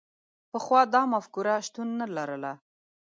پخوا دا مفکوره شتون نه لرله.